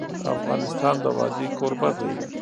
افغانستان د وادي کوربه دی.